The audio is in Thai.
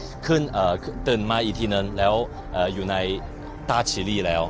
อ่าขึ้นอ่าตื่นมาอีกทีนึงแล้วอยู่ในตาชิริแล้ว